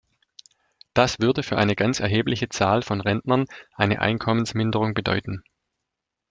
Das würde für eine ganz erhebliche Zahl von Rentnern eine Einkommensminderung bedeuten.